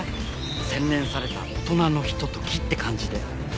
洗練された大人のひとときって感じで。